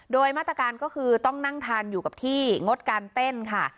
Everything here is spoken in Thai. โดยมาตรการก็คือต้องนั่งทานอยู่กับที่งดการเต้นค่ะ